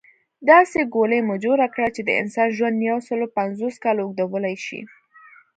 داسې ګولۍ مو جوړه کړه چې د انسان ژوند يوسل پنځوس کاله اوږدولی شي